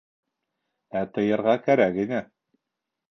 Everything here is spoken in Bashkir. Ә тыйырға кәрәк ине...